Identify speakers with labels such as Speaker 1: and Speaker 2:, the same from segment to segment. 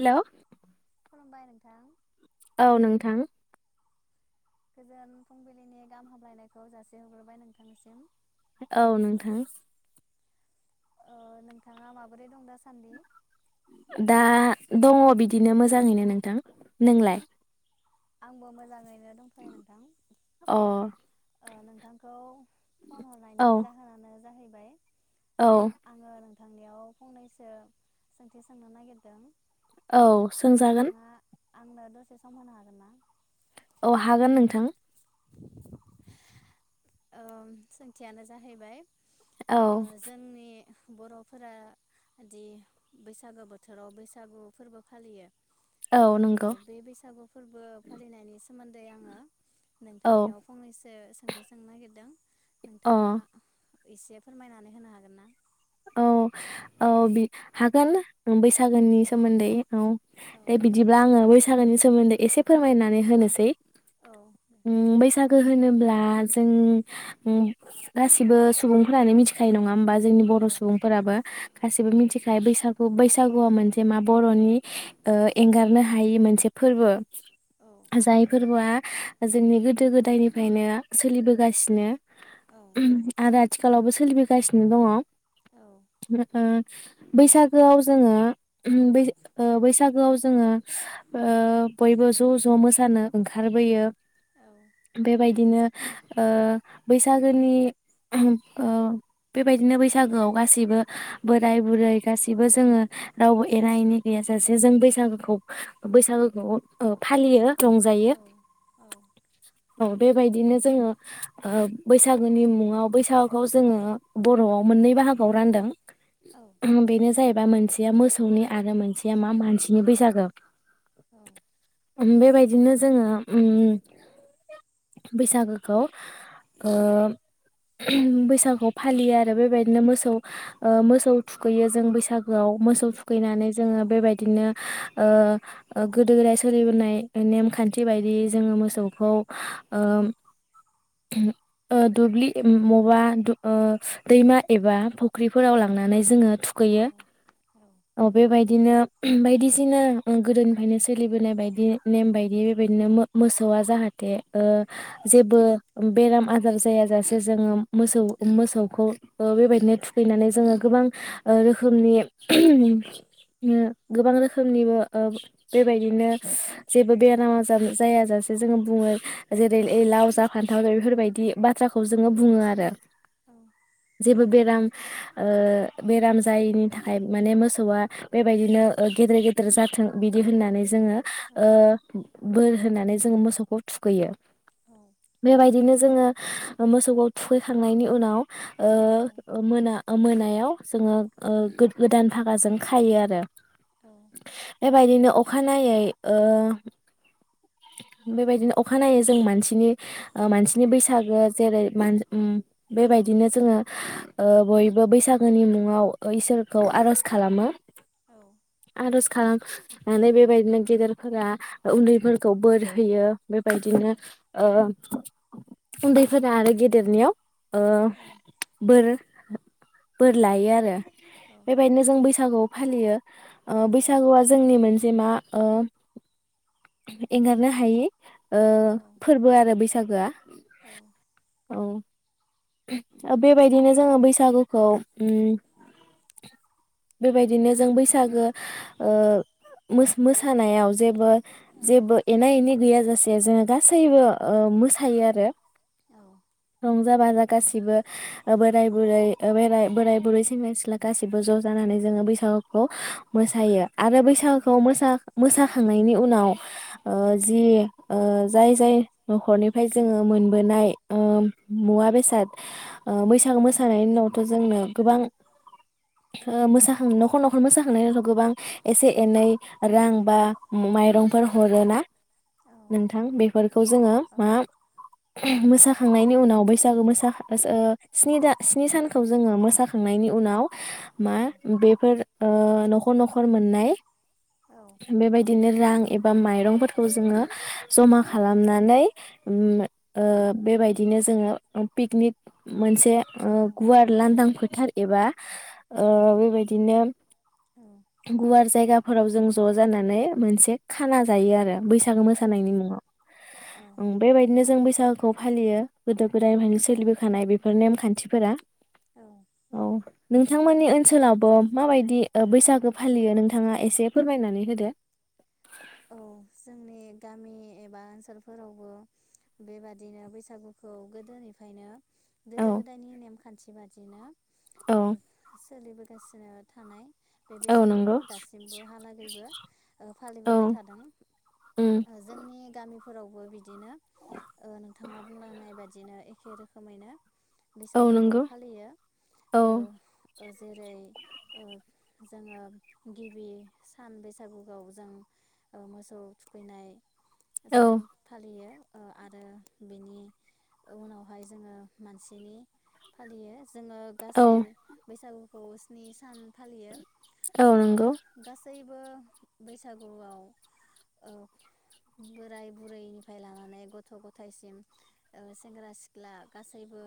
Speaker 1: Hello
Speaker 2: खुलुमबाय नोंथां
Speaker 1: औ नोंथां
Speaker 2: गोजोन फुंबिलिनि गाहाम हामलायनायखौ जासि हरग्रोबाय नोंथांनिसिम।
Speaker 1: औ नोंथां
Speaker 2: नोंथाङा माबोरै दं दासान्दि?
Speaker 1: दा दङ बिदिनो मोजाङैनो नोंथां नोंलाय?
Speaker 2: आंबो मोजाङै नो दंथयो नोंथां
Speaker 1: अ
Speaker 2: ओ नोंथांखौ फन हरनायनि
Speaker 1: औ
Speaker 2: जाहोनानो जाहै बाय
Speaker 1: औ
Speaker 2: नोंथांनियाव फंनैसो सोंथि सोंनो नागिरदों
Speaker 1: औ सोंजागोन
Speaker 2: नोंथाङा आंनो दसे सम होनो हागोन ना?
Speaker 1: औ हागोन नोंथां।
Speaker 2: ओ सोंथियानो जाहैबाय
Speaker 1: औ
Speaker 2: ओ जोंनि बर'फोरादि बैसागो बोथोराव बैसागु फोरबो फालियो
Speaker 1: औ नंगौ
Speaker 2: बे बैसागु फोरबो फालिनायनि सोमोन्दै आङो
Speaker 1: औ
Speaker 2: नोंथांनियाव फंनैसो सोंनो नागिरदों
Speaker 1: अ
Speaker 2: नोंथाङा एसे फोरमायनानै होनो हागोन ना?
Speaker 1: औ औ हागोन बैसागोनि सोमोन्दै औ
Speaker 2: औ
Speaker 1: दे बिदिब्ला आङो बै थानायनि सोमोन्दै एसे फोरमायनानै होनोसै
Speaker 2: औ
Speaker 1: ओम बैसाग गो होनोब्ला जों गासिबो सुबुंफोरानो मिखायो नङा होमबा? जोंनि
Speaker 2: औ
Speaker 1: बर सु बो गासैबो मोनथिखायो बैसागु बैसागु आ मा मोनसे बरनि ओ एंगारनो हायि मोनसे
Speaker 2: औ
Speaker 1: फोर्बो
Speaker 2: औ
Speaker 1: जाय फोर्बोआ जोंनि गोदो गोदायनिफ्रायनो सोलिबोगासिनो
Speaker 2: औ
Speaker 1: आर थिखालावबो सोलिबोगासिनो दङ ओ
Speaker 2: औ
Speaker 1: बैसागोआव जोङो ओ बैसागोआव जोङो ओ बयबो ज' ज' मोसानो ओंखारबोयो बेबायदिनो ओ बैसागोनि ओ बेबायदिनो बैसागोआव गासिबो बोराय बुरै गासिबो जोङो। रावबो एना एनि गैयााजासे जों बैसागोखौ बैसागोखौ फालियो रंजायो औ बेबायदिनो जोङो ओ बैसागोनि मुङाव बैसागुखौ जोङो बरआव मोननै बाहागो खौ
Speaker 2: औ
Speaker 1: रानदों बेनो जाय बा मोनसेया मोसौनि आरो मोनसेया मा मानसिनि बैसागो ओम बेबाय नो जोंङो ओम बैसागोखौ ओ बैसागोखौ फालियो आरो बेबायदिनो मोसो सौ ओ मोसौ थुखैयो जों बैसागोआव मोसौ थुखैनानै
Speaker 2: औ
Speaker 1: जोङो बेबायदिनो ओ गोदो गोदाय सोलिबोनाय नेमखान्थि बायदिय जोङो मोसौखौ ओ दुब्लि मबा ओ दैमा एबा फुख्रिफोराव लांनानै जोङो
Speaker 2: औ
Speaker 1: थुखैयो औ बेबाय बिदिनो बायदिसिना ओ गोदोनिफ्रायनो सोलिबोनाय बायदि नेम बायदि बेबायदिनो मोसौआ जाहाथे ओ जेबो बेराम आजार जायाजासे जोङो मोसौ मोसौखौ बेबायदिनो फैनानै जोङो गोबां रोखोमनि गोबां रोखोमनिबो बेबायदिनो जेबो बेराम आजार जायाजासे जोङो बुङो जेरै लाव जा फान्थाव बेफोरबायदि बाथ् थ्राखौ जोङो बुङो आरो जेबो बेराम ओ बेराम जायिनि थाखाय माने मोसौआ बेबायदिनो गेदेर गेदेर जाथों बिदि होननानै जोङो ओ बोर होनानै जोङो मोसौखौ थुखैयो बेबायदिनो जोङो मोसौखौ थुखैखांनायनि उनाव ओ मोना मोनायाव जोङो ओ गोदान फागाजों खायो आरो [inaudible] बेबायदिनो अखानायै ओ बेबायदिनो अखानायै जों मानसिनि मानसिनि बैसागो जेरै [unintelligible] बेबायदिनो जोङो ओ बयबो बैसागोनि मुङाव इसोर खौ आर'ज खालामो आर'ज खालामो आरज खालाम माने बेबायदिनो गेदेरफोरा उन्दैफोरखौ बोर होयो। बेबायदिनो ओ [inaudible] उन्दैफोरा आरो गेदेरनियाव ओ बोर [inaudible] बोर लायो आरो। बेबायदिनो जों बैसागुआव फालियो। ओ बैसागुआ जोंनि मोनसे जेमा ओ [inaudible] एंगारनो हायि। ओ फोरबो आरो बैसाग बैसागोआ।
Speaker 2: [inaudible]
Speaker 1: औ। बेबायदिनो जोङो बैसागुखौ ओम बेबायदिनो जों बैसागो ओ मोसानायाव जेबो जेबो एना एनि गैयाजासे जोङो गासैबो ओ मोसायो आरो।
Speaker 2: [inaudible]
Speaker 1: रंजा- बाजा। गासिबो बोराइ -बुरै बोराय बुरै सेंग्रा- सिख्ला गासैबो ज' जानानै जोङो बैसागुखौ मोसायो। आरो
Speaker 2: औ
Speaker 1: बैसागुखौ मोसा मोसा खांनायनि उनाव। ओ
Speaker 2: औ
Speaker 1: जि ओ जाय जाय न'खरनिफ्राय जोङो मोनबोनाय ओ मुवा बेसाद। [unintelligible]
Speaker 2: औ
Speaker 1: बैसागु मोसानायनि उनावथ' जोंनो। गोबां ओ मोसाखां न'खर न'खर मोसाखांनायनि उनावथ' गोबां एसे एनै रां बा माइरंफोर हरोना। नोंथां बेफोरखौ जोङो मा मोसाखांनायनि उनाव बैसागो मोसा ओ स्नि दा स्नि सानखौ जोङो मोसाखांनायनि उनाव मा बेफोर ओ न'खर न'खर मोननाय। [inaudible] बे बायदि बिदिनो रां एबा माइरंफोरखौ जोङो जमा खालामनानै ओम ओ बेबायदिनो जोङो पिकनिक। मोनसे जे गुवार लांदां फोथार एबा बेबायदिनो। गुवार जायगा फोराव जों ज' जानानै मोनसे खाना जायो आरो बै मोसानायनि मुङाव ओं बेबायदिनो जों बैसागुखौ फायो गोदो गोदायनिफ्रायनो सोलि होखानाय बेफोर नेमखान्थिफोरा
Speaker 2: औ।
Speaker 1: औ नोंथांमोननि ओनसोलावबो माबायदि ओ बैसागो फालियो नोंथाङा एसे फोरमायनानै होदो।
Speaker 2: औ जोंनि गामि एबा ओनसोलफोरावबो बेबादिनो बैसागुखौ गोदोनिफ्रायनो गोदो
Speaker 1: औ
Speaker 2: गोदायनि नेम खान्थि बादिनो ओ
Speaker 1: औ
Speaker 2: सोलिबो गासिनो थानाय बे
Speaker 1: औ
Speaker 2: बैसागुखौ
Speaker 1: नंगौ
Speaker 2: दासिमबो हालागैबो ओ
Speaker 1: औ
Speaker 2: फालिबोबाय थादों
Speaker 1: उम
Speaker 2: ओ जोंनि गामि फोरावबो बिदिनो ओ नोंथाङा बुंलांनाय बादिनो एखे रोखोमैनो
Speaker 1: औ
Speaker 2: बैसागोखौ
Speaker 1: नंगौ
Speaker 2: फालियो
Speaker 1: औ
Speaker 2: ओ ओ जेरै ओ जोङो गिबि सान बैसागुआव जों ओ मोसौ थुखैनाय
Speaker 1: औ
Speaker 2: सान फालियो। आरो बेनि उनावहाय जोङो मानसिनि फालियो। जोङो
Speaker 1: औ
Speaker 2: गासै बैसागु खौ स्नि सान फालियो।
Speaker 1: औ
Speaker 2: ओ
Speaker 1: नंगौ
Speaker 2: गासैबो। बैसागुआव ओ बोराय बुरैनिफ्राय लानानै गथ' गथायसिम ओ सेंग्रा सिख्ला गासैबो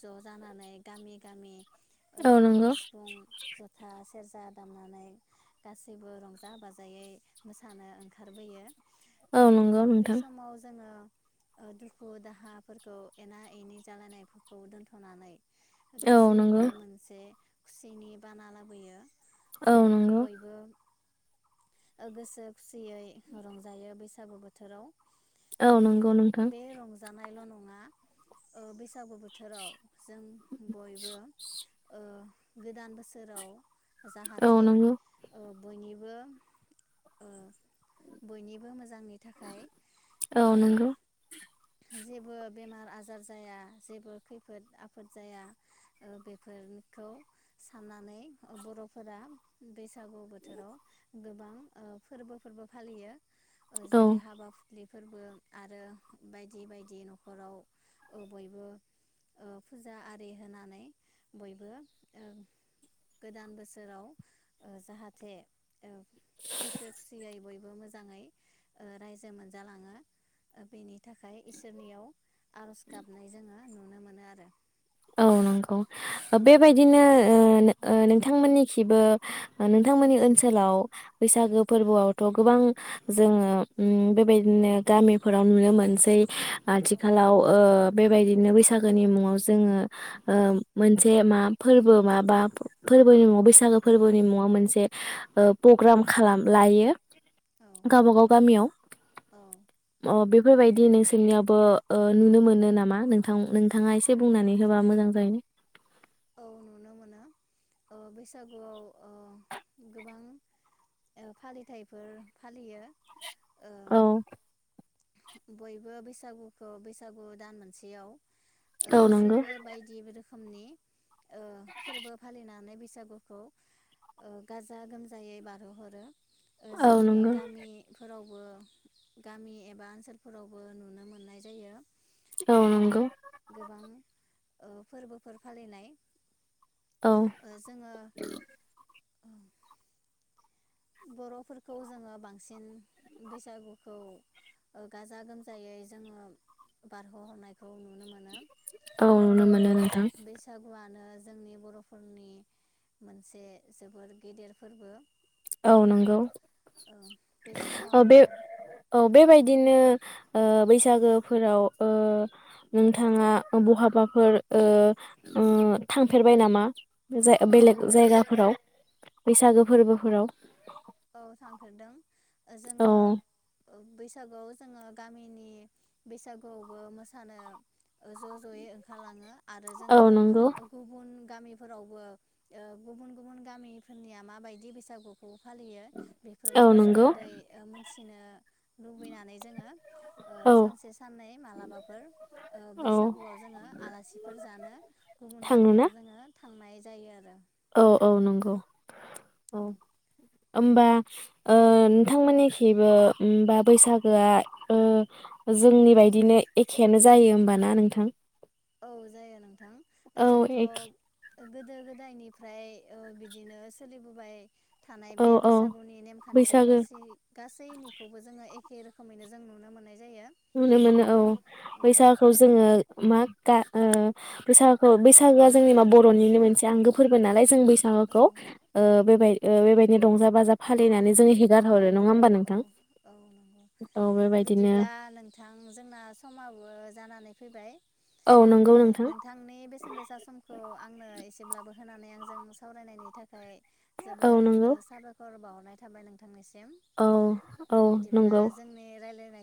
Speaker 2: ज' जानानै गामि गामि ओ
Speaker 1: औ
Speaker 2: खाम
Speaker 1: नंगौ
Speaker 2: सिफुं जथा सेरजा दामनानै गासैबो रंजा बाजायै मोस मोसानो ओंखारबोयो।
Speaker 1: औ नंगौ
Speaker 2: बे
Speaker 1: नोंथां।
Speaker 2: समाव जोङो ओ दुखु दाहाफोरखौ एना एनि जालायनायफोरखौ दोनथ'नानै
Speaker 1: औ
Speaker 2: गासैबो
Speaker 1: नंगौ
Speaker 2: मोनसे खुसिनि बाना लाबोयो। ओ
Speaker 1: औ नंगौ
Speaker 2: बयबो ओ गोसोब खुसियै रंजायो बैस बैसागो बोथोराव
Speaker 1: औ
Speaker 2: ओ
Speaker 1: नंगौ नोंथां
Speaker 2: बे रंजानायल' नङा ङा ओ बैसा सागु बोथोराव जों बयबो ओ गोदान बोसोराव
Speaker 1: औ
Speaker 2: जाहाथे
Speaker 1: नंगौ
Speaker 2: ओ बयनिबो ओ बयनिबो मोजां जांनि थाखाय
Speaker 1: औ
Speaker 2: ओ
Speaker 1: नंगौ
Speaker 2: जेबो बेमार आजार जाया, जेबो खैफोद आफोद जाया ओ बेफोरखौ साननानै बर'फोरा बैसागु बोथोराव गोबां फोरबोफोरबो फालियो।
Speaker 1: औ
Speaker 2: जेरै हाबा फलि फोरबो आरो बायदि बायदि न'खराव ओ बयबो ओ फुजा आरि होनानै बयबो ओ गोदान बोसोराव ओ जाहाथे औ गोसो खुसियै बय बो मोजाङै ओ रायजो मोनजालाङो ओ बेनि थाखाय इसोरनियाव आर'ज गाबनाय जोङो नुनो मोनो आरो।
Speaker 1: औ नंगौ बेबायदिनो ओ
Speaker 2: औ
Speaker 1: ओ नोंथांमोननि खिबो नोंथांमोननि ओनसोलाव बैसागो फोरबोआवथ' गोबां जोङो ओम बेबायदिनो गामिफोराव नुनो मोनसै आथिखालाव ओ बेबायदिनो बैसागोनि मुङाव जोङो ओ मोनसे मा फोरबो माबा फोरबोनि मुङाव बैसागो फोरबोनि मुङाव मोनसे प'ग्राम खालाम लायो।
Speaker 2: औ
Speaker 1: गावबागाव गामियाव
Speaker 2: औ
Speaker 1: अ बे फोरबायदि नोंसोरनियावबो ओ नुनो मोनो नामा? नोंथां नोंथाङा एसे बुंनानै होबा मोजां जायो।
Speaker 2: औ नुनो मोनो, ओ बैसागुआव गोबां फालिथाइफोर फालियो। ओ
Speaker 1: औ
Speaker 2: बयबो बैसागुखौ बैसागु दान मोनसेयाव ओ
Speaker 1: औ नंगौ
Speaker 2: गासैबो बायदि रोख खोमनि ओ फोरबो फालिनानै बैसागुखौ ओ गाजा गोमजायै बारहोहरो। ओ
Speaker 1: औ
Speaker 2: जोंनि
Speaker 1: नंगौ
Speaker 2: गामिफोराव बो गामि एबा ओनसोलफोरावबो नुनो मोननाय जायो।
Speaker 1: औ
Speaker 2: ओ
Speaker 1: नंगौ
Speaker 2: गोबां ओ फोरबोफोर फालिनाय
Speaker 1: औ
Speaker 2: ओ जोंङो बर'फोरखौ जोङो बांसिन बैसागुखौ ओ गाजा गोमजायै जोंङो बारहोहरनाय
Speaker 1: औ नुनो मोनो नोंथां।
Speaker 2: नो जोंनि बरफोरनि मोनसे जोबोर गेदेर फोरबो।
Speaker 1: औ नंगौ
Speaker 2: ओ बै
Speaker 1: औ
Speaker 2: समाव
Speaker 1: बे औ बेबायदिनो ओ बैसागोफोराव ओ नोंथाङा बहाबाफोर ओ ओ थांफेरबाय नामा जाय बेलेग जायगाफोराव बैसागो फोरबोफोराव?
Speaker 2: औ थांफेरदों।
Speaker 1: औ
Speaker 2: जोंङो बैसागुआव जोङो गामिनि बैसागुआवबो मोसानो ज जयै ओंखारलांङो। आरो
Speaker 1: औ
Speaker 2: जोङो
Speaker 1: नंगौ
Speaker 2: ओ गुबुन गामिफोरावबो ओ गुबुन गुबुन गामिफोरनिया माबायदि बैसागुखौ फालियो
Speaker 1: औ
Speaker 2: बेफोरनि
Speaker 1: नंगौ
Speaker 2: सोमोन्दै ओ मोनथि लुबैनानै जोंङो ओ
Speaker 1: औ
Speaker 2: सानसे साननै मालाबाफोर ओ
Speaker 1: औ
Speaker 2: बैसागुआव जोङो आलासिफोर जानो गुबुन गामियाव जोंङो थांनाय जायो आरो।
Speaker 1: ओ औ नोंगौ औ ओमबा ओ नोंथांमोन खिबो ओमबा बैसागोआ ओ जोंनि बायदिनो एखेयानो जायो ओमबा ना नोंथां?
Speaker 2: औ जायो नोंथां
Speaker 1: औ
Speaker 2: जोंथ'
Speaker 1: एखे
Speaker 2: गोदो गोदायनिफ्राय ओ बिदिनो सोलिबोबाय थानाय
Speaker 1: औ
Speaker 2: बे
Speaker 1: औ
Speaker 2: बैसागुनि नेम खान्थिया
Speaker 1: बैसागो
Speaker 2: गासै गासैनिखौबो जोंङो एखे रोखोमैनो जों नुनो मोननाय जायो
Speaker 1: नुनो मोनो। औ
Speaker 2: ओ औ
Speaker 1: बैसागुखौ जोङो मा दा ओ बैसागु बैसागोआ जोंनि मा बर'निनो मोनसे आंगो फोरबो नालाय जों
Speaker 2: औ
Speaker 1: बैसागोखौ ओ बेबाय ओ बेबायदिनो रंजा बाजा फालिनानै जोंङो हेगार हरो नंङा होमबा
Speaker 2: औ
Speaker 1: नोंथां?
Speaker 2: औ
Speaker 1: औ बेबायदिनो
Speaker 2: थां जोंना समाबो जानानै फैबाय।
Speaker 1: औ
Speaker 2: ओ
Speaker 1: नंगौ नोंथां
Speaker 2: नोंथांनि बेसेन गोसा समखौ आंनो एसेब्लाबो होनानै आंजो जों सावरायनायनि थाखाय
Speaker 1: औ
Speaker 2: जोबोर
Speaker 1: नंगौ
Speaker 2: ओ साबायखर बावनाय थाबाय नोंथांनिसिम।
Speaker 1: औ औ नोंगौ।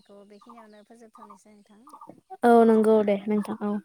Speaker 2: खौ बेखिनियावनो फोजोबथावनोसै।
Speaker 1: औ नंगौ दे नोंथां औ।